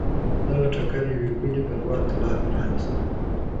دغه ټکر یوې بلې بلوا ته لار پرانېسته.